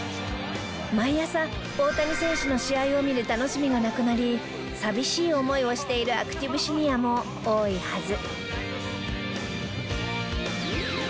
毎朝大谷選手の試合を見る楽しみがなくなり寂しい思いをしているアクティブシニアも多いはず